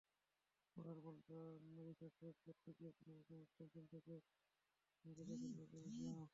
পরের বলটা reverse sweep খেলতে গিয়ে কোনোরকমে স্টাম্পিং থেকে বেঁচেছেন নাজমুল ইসলাম।